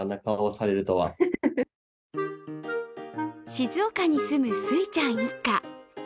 静岡に住む、すいちゃん一家。